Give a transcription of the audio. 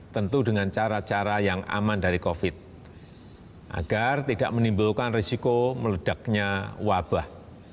tentu dengan cara cara yang aman dari covid agar tidak menimbulkan risiko meledaknya wabah